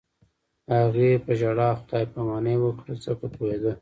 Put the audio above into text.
هغې په ژړا خدای پاماني وکړه ځکه پوهېده